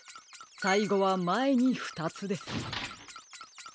さいごはまえにふたつです。